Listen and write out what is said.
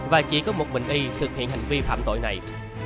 và chỉ có một bình y thực hiện hành vi phạm tội này